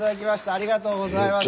ありがとうございます。